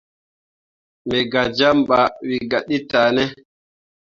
Me gah jam ɓah wǝ gah ɗe tah ne.